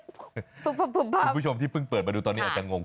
คุณผู้ชมที่เพิ่งเปิดมาดูตอนนี้อาจจะงง